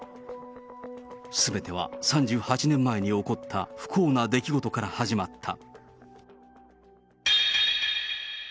すべては３８年前に起こった不幸な出来事から始まった。